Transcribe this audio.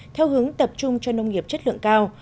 theo hướng tập trung cho nông nghiệp chất lượng cao